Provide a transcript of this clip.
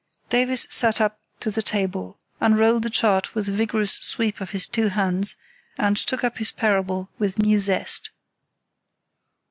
Davies sat up to the table, unrolled the chart with a vigorous sweep of his two hands, and took up his parable with new zest.